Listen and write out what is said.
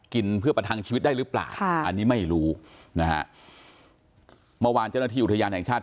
เพื่อประทังชีวิตได้หรือเปล่าอันนี้ไม่รู้นะฮะเมื่อวานเจ้าหน้าที่อุทยานแห่งชาติ